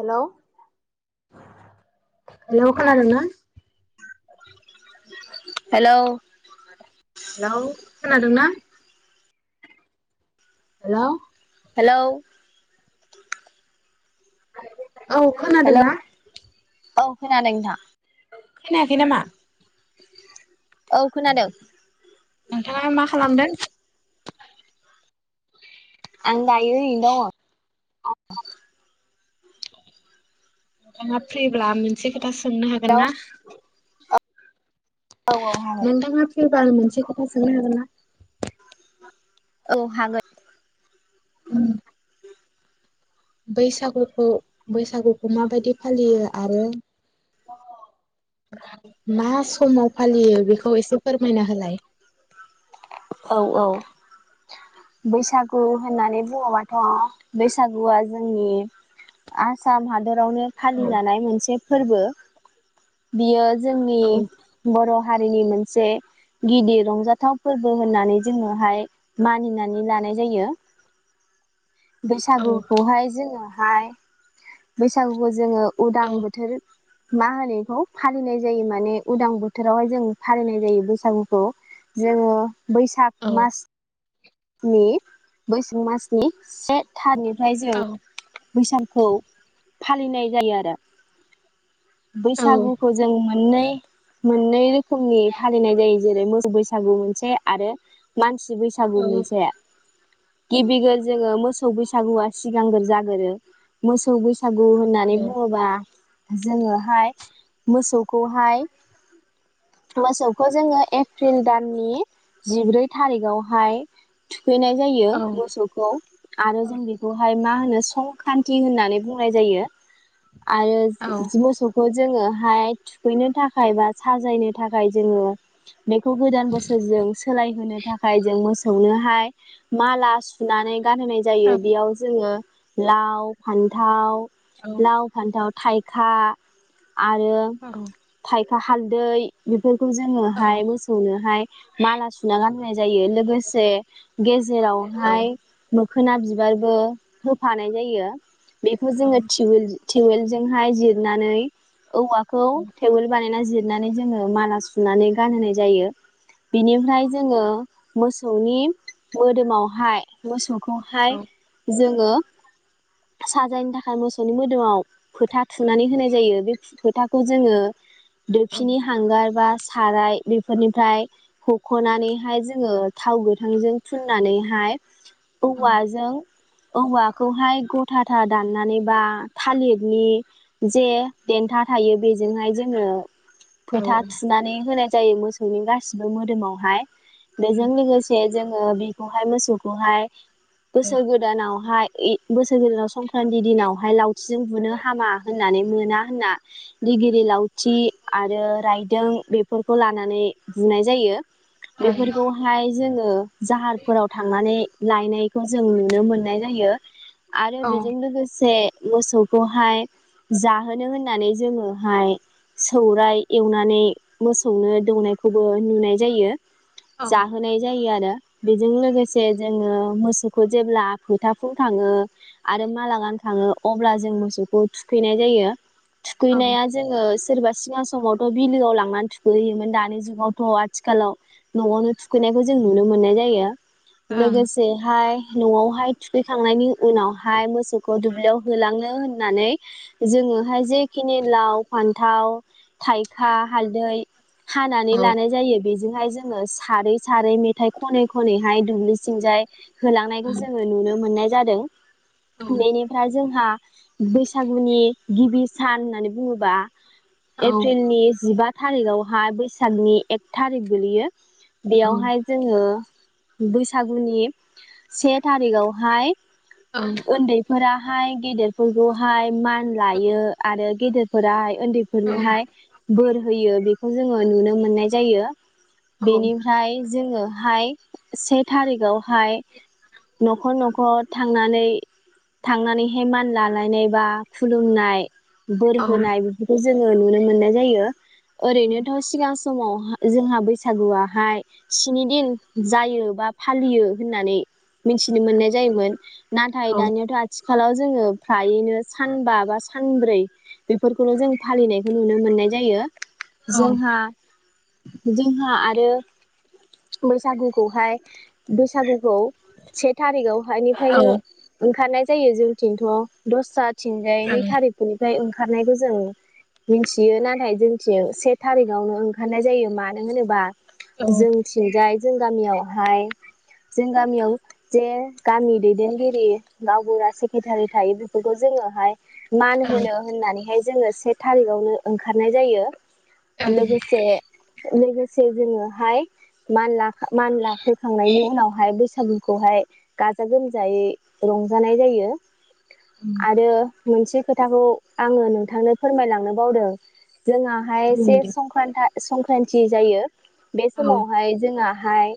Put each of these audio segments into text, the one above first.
हेल' हेल खोनादोंना हेल' हेलौ खोनादोंना हेल' हेलौ औ हेलौ खोनादोंना औ खोनादों नोंथां खोनायाखै नामा [unintelligible] खोनादों नोंथाङा मा खालामदों आं दायो ओरैनो दङ नोंथाङा फ्रिब्ला मोनसे सोंनो हागोन दङ ना औ औ हागोन नोंथाङा फ्रिब्ला आं मोनसे खोथा सोंनो हागोनना औ हागोन [unintelligible] बैसागुखौ बैसागुखौ माबायदि फालियो आरो मा समाव फालियो बेखौ एसे फोरमायना होलाय औ औ बैसागु होननानै बुङोबाथ' बैसागुआ जोंनि आसाम हादरावनो फालिजानाय मोनसे फोरबो बियो जोंनि औ बर' हारिनि मोनसे गिदिर रंजाथाव फोर होननानै जोङोहाय मानिनानै लानाय जायो औ बैसागुखौहाय जोङो गाहाय बैसागुखौ जोङो उदां औ बोथोर मा होनो बेखौ फालिनाय जायो माने उदां बोथोरावहाय जों फालिनाय जायो बैसागुखौ जोङो औ बैसाग मास नि बैस मासनि से थारिख रायजो औ बैसागुखौ फालिनाय जायो आरो औ बैसागुखौ जों मोननै मोननै रोखोमनि फालिनाय जायो जेरै मोसौ बैसागु मोनसे आरो मानसि बैसागु मोनसे गिबिगोज जोङो मोसौ बैसागुआ सिगांग्रो जागोरो मोसौ बैसो बैसागु होननानै औ बुङोबा जोङोहाय मोसौखौहाय मोसौखौ जोङो एप्रिल दाननि जिब्रै थारिखआवहाय सुफैनाय जायो औ मोसौखौ आरो जों बेखौहाय मा होन संख्रान्त होननानै बुंनाय जायो आरो औ जि म सखौ जोङोहाय थुखैनो थाखाय बा साजायनो थाखाय जोङो बेखौ गोदान बोसोर जों सोलायहोनो थाखाय जों मोसौ सौनो माला सुनानै गानहोनाय जायो औ बेयाव जोङो लाव फान्थाव लााव फान्थाव थाइखा आरो फाइभ हा हालदै। बेफोरखौ जोङोहाय मोसौनोहाय माला सुना गान। होननाय जायो लोगोसे। गेजेरावहाय मोखोना बिबारबो। होफानाय जायो। बेखौ जोङो थटिउल। टिउवेल जजोंहाय जिरनानै। औवाखौ टेवोल बानायना जि। नानै जोङो माला सुनानै गानहोनाय जायो बिनिफ्राय जोङो मोसौनि। मोदोमावहाय मोसौ। खौहाय जों ङो साजायनो थाखाय मोसौनि मोदोमाव फोथा थुनानै होनाय जायो बे फोथाखौ जोङो औ दोफिनि हांगार बा साराय बेफोरनिफ्राय हख'नानैहाय जोङो थाव गो थांजों फुननानैहाय औ औवाजों औवाखौहाय गथाथा दाननानै बा थालिरनि जे देन्था थायो बे जोंहाय जोङो औ फोथा थुनानै होनाय जायो मोसौनि गासिबो मोदोमावहाय बेजों लोगोसे जोङो बेखौहाय मोसौखौहाय बुंदो बोसोर गोदानावहाय इ बोसोर गोदानाव संक्रान्ति दिनावहाय लावथिजों बुनो हामा होननानै मोना होनना दिगिलि लावथि आरो रायदों बेफोरखौ लानानै बुनाय जायो औ बेफोरखौहाय ओ जाहारफोराव थांनानै लायनायखौ जों नुनो मोननाय जायो आरो औ बेजों लोगोसे मोसौखौहाय जाहोनो होननानै जोङोहाय सौराय एवनानै मोसौनो दौनायखौबो नुनाय जायो औ यो आरो बेजों लोगोसे जोङो मोसौखौ जेब्ला फोथाफुनखाङो आरो मालागानखाङो अब्ला जों मोसौखौ थुखैनाय जायो थुखैनाया जोङो सोरबा सिगां समावथ' बिलोआव लांनानै थुखैयोमोन दानि जुगावथ' आथिखालाव न'आवनो थु थुखैनायखौ जों नुनो मोननाय जायो लोगोसे हाय न'आवहाय थुखैखांनायनि उनावहाय मोसौखौ दुब्लियाव होलाङो होननानै जोङोहाय जेखिनि लाव फान्थाव थाइखा हालदै हानानै औ लानाय जायो बे बेखौहाय जोङो सारै सारै मेथाइ खनै खनैहाय दुब्लि सिंजाय होलांनायखौ जोङो नुनो मोननाय जादों बेनिफ्राय जोंहा बैसागुनि गिबि सान होननानै बुङोबा औ एप्रिलनि जिबा थारिगावहा बैसागनि एक थारिक गोगलैयो। बेयावहाय जोङो बैसागुनि से थारिखआवहाय ओन्दैफोरा हाय गेदेरफोरखौहाय मान लायो आरो गेदेर फोरा ओन्दैफोरनोहाय बोर होयो बे खौ जोङो नुनो मोननाय जायो। औ बेनिफ्राय जोङोहाय से थारिखावहाय न'खर न'खर थांनानै थांनानैहाय मान लालायनाय बा खुलुमनाय बोर होनाय बेफोरखौ जोङो नुनो मोननाय जायो। ओैरैनोथ' सिगां समाव जोंहा बैसागुआहाय स्नि दिन जायो बा फालियो होननानै मिथिनो मोननाय जायोमोन। नाथाइ दानियाथ' आथि थिखालाव जोङो फ्रायैनो सानबा बा सानब्रै बेफोरखौनो जों फालिनायखौ नुनो मोननाय जायो। जोंहा जोंहा आरो बैसागुखौहाय बैसागुखौ से थारिखाव हानिफ्रायनो ओंखारनाय जायो जोंथिंथ' दस्रा थिंजाय नै थारिखफोरनिफ्राय ओंखा ओंखारनायखौ जों मिथियो नाथाय जोंथिं से थारिखआवनो ओंखारनाय जायो मानो होनोबा जों थिंजाय जों गामियाव हाय जों गामियाव जे गामि दैदेनगिरि गावबुरा सेकेटारि थायो बेफोरखौ जोङोहाय मान होनो औ होननानैहाय जोङो से थारिखावनो ओंखारनाय जायो। लोगोसे लोगोसे से जोङो हाय मान ला मानला होखांनायनि उनावहाय बैस बैसागुखौहाय गाजा गोमजायै रंजानाय जायो। आरो मोनसे खोथाखौ आङो नोंथांनो फोरमायलांनो बावदों। जोंहाहाय से संख्रान्ता संक्रान्ति जायो। बे समावहाय जोंहा हाय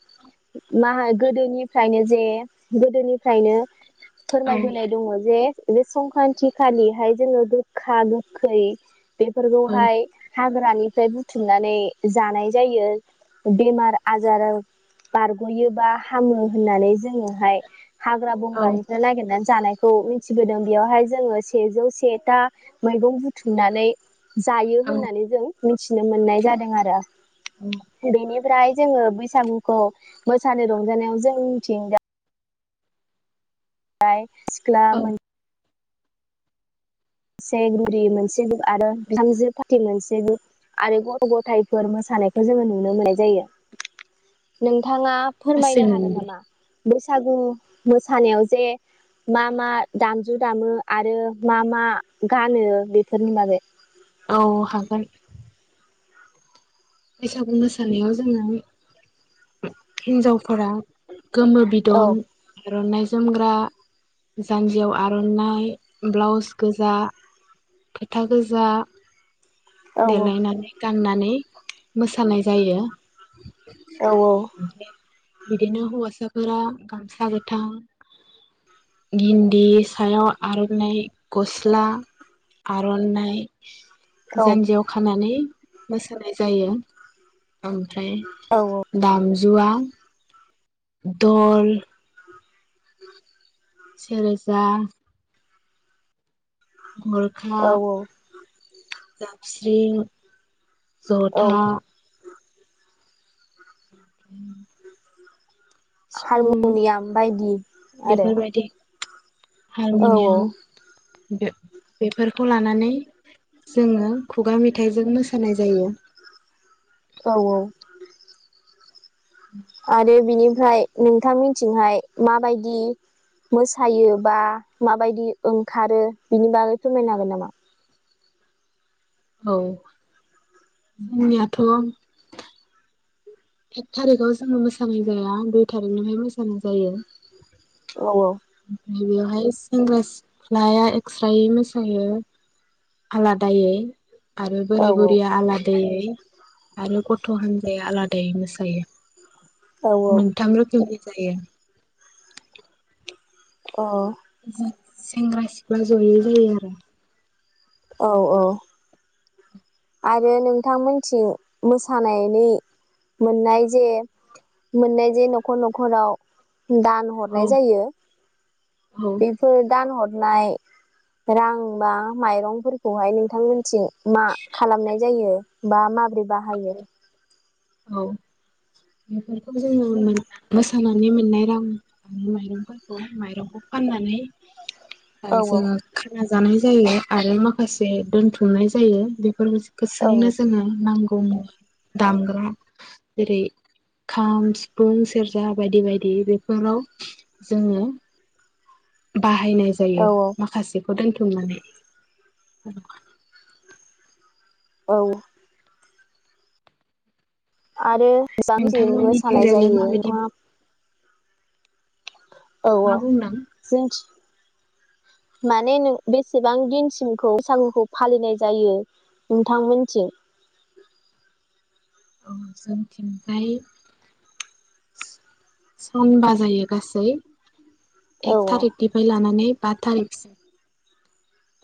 मा गोदोनिफ्रायनो जे गोदोनिफ्रायनो फोरमायबोनाय दङ जे बे संक्रान्ति खालिहाय जोङो गोखा गोखै बेफोरखौहाय हाग्रा ग्रानिफ्राय बुथुमनानै जानाय जायो। बेमार आजार बारग'यो बा हामो होननानै। जोङोहाय हाग्रा बंग्रानिफ्राय नागिरना जानायखौ मिथिबोदों बेयावहाय जोङो सेजौ सेथा मैगं बुथुमनानै जायो होननानै जों मिथिनो मोननाय जादों आरो। औ बेनिफ्राय जोङो बैसागुखौ मोसानो रंजानायाव जों मिथिंगा [unintelligible] सिख्ला मोन सेगुरि मोनसे ग्रुब आरो बिहामजो पारटि मोनसे ग्रुब आरो गथ' गथायफोर मोसानायखौ जोङो नुनो मोननाय जायो। नों थाङा फोरमायनो हागोन गासैमोनबो नामा? बैसागु मोसानायाव जे मा मा दामजु दामो आरो मा मा गानो बेफोरनि बागै? औ हागोन। बैसागु मोसानायाव जोङो हिन्जावफोरा गोमो औ बिदन आर'नाइ जोमग्रा जान्जियाव आर'नाइ ब्लाउस गोजा फोथा गोजा औ देलायनानै गाननानै नै मोसानाय जायो। औ बिदिनो हौवासा फोर गामसा गोथां गिन्दि सायाव आर'नाइ गस्ला आर'नाइ औ जान्जियाव खानानै मोसानाय जायो। ओमफ्राय औ दाम जुवा दल सेेरजा। गरखा औ जाबस्रिं औ जथा। उम। उम हारमुनियाम बायदि आरो। बेफोरबायदि औ हारमुनियाम बे बेफोरखौ लानानै जोङो खुगा मेथाइजों मोसानाय जायो। औ औ। आरो बिनिफ्राय नोंथां मोनथिंहाय माबायदि मोसायो बा माबायदि ओंखारो बिनि बागै फोरमायनो हागोन नामा? औ जोंनियाथ' एक थारिकाव जोंङो मोसानाय जाया दुइ थारिखनिफ्राय मोसानाय जायो। औ औ। ओमफ्राय बेवहाय सेंग्रा सिख्लाया एक्स्रायै मोसायो आलादायै। आरो औ बोराय बुरिया आलादै आरो गथ गथ' हानजाया आलाद मोसायो। औ मोनथाम रोखोमनि जायो। अ। सें सेंग्रा सिख्ला जयै जायो आरो। औ औ। आरो नोंथांमोनथिं मोसानायनि मोननाय जे मोननाय जे न'खर न'खराव दान हरनाय औ जायो औ बेफोर दान हर नाय रां बा माइरंफोरखौहाय नोंथांमोननिथिं खालामनाय जायो। बा [unintelligible] बोरै बाहायो। औ बेफोरखौ जोङो मोसानानै मोननाय रां आरो माइरंफोरखौ माइरंखौ फाननानै ओ औ जोङो खाना जानाय जायो आरो माखासे दथुमनाय जायो बे औ [unintelligible] जोङो नांगौ ओम दामग्रा जेरै खाम सिफुं सेरजा बायदि बायदि बेफोराव जोङो बाहायनाय जायो औ माखासेखौ दोनथुमनानै [inaudible] औ। आरो [inaudible] मोसानाय नोंथांमोननिथिंजायलाय जायो माबायदि नोंथाङा औ औ मा बुंदों जों माने नों बेसेबां दिनसिमखौ बैसागुखौ फालिनाय जायो नोंथांमोननिथिं औ जोंथिंजाय सानबा जायो गासै। औ एक थारिकनिफ्राय लानानै बा थारिखसिम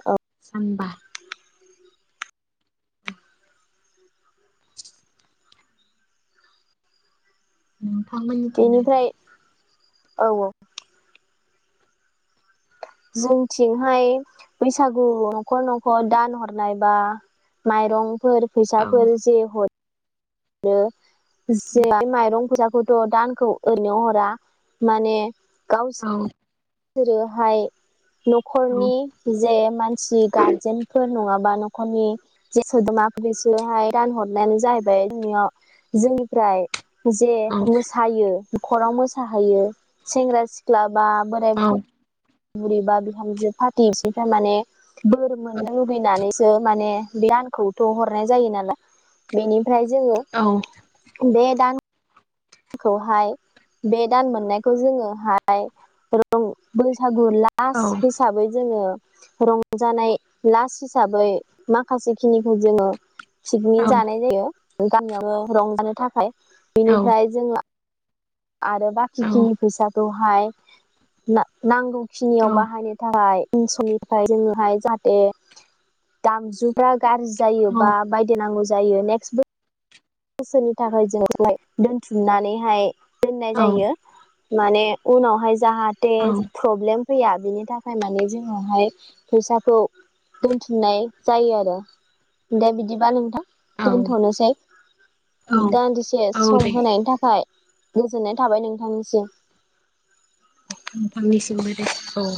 औ सानबा [inaudible] नोथांमोननिथिंलाय बेनिफ्राय औ औ। जोंथिंहाय बैसागु न'खर न'खर दान हरनाय बा माइरं फोर औ फैसाफोर जेरै हर ओ [inaudible] गोदो दानखौ ओरैनो हरा माने औ। सोरोहाय औ न'खरनि जे मानसि गारजेनफोर नङाबा [inaudible] रां हरनायानो जाहैबाय [unintelligible] जोंनिफ्राय जे औ मोसायो न'खराव मोसाहैयो सेंग्रा सिख्ला बा बोरे औ बुरिबा बिहामजो फार्टि बिसिफ्रा माने बोर औ मोननो लुबैनानै सो माने बे दानखौथ' हरनाय जायो नालाय बेनि फ्राय जोङो औ बे दान खौहाय बे दान मोननायखौ जोङोहाय [unintelligible] बैसागु औ लास्ट हिसाबै जोङो रंजानाय लास हिसाबै माखासे खिनिखौ जोङो औ पिकनिक जानाय जायो। गामियावाबनो रंजानो थाखाय। औ बिनिफ्राय जों आ आरो औ बाखिखिनि फैसाखौ ओमफाय ना-नांगौ औ खिनियाव बाहायनो थाखाय उन समनिफ्राय जोंनोहाय जाहाथे गामजुफ्रा गाज्रि जायोबा बायदे नांगौ जायो नेक्स्ट बो बोसोरनि थाखाय जों फैसाखौहाय दोनथुमनानैहाय दोननाय औ जायो माने उनावहाय जाहाथे औ प्रब्लेम जा फैया बिनि थाखाय माने जोंनावहाय फैसाखौ दोनथुमनाय जायो आरो दा बिदिबा नोंथां औ दोनथ'नोसै दान्दिसे औ सम दे होनायनि थाखाय गोजोननाय थाबाय नोंथांनिसिम नोंथांनिसिमबो दे औ